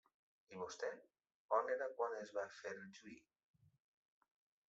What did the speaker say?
I vostè? On era quan es va fer el juí?